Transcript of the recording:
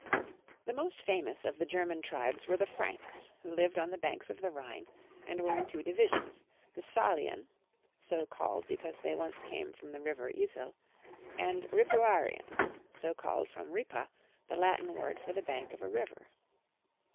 THE most famous of the German tribes were the Franks, who lived on the banks of the Rhine, and were in two divisions, the SaKan, so called because they once came from the river Yssel, and Ripuarians, so called from Wpa, the Latin word for the bank of a river.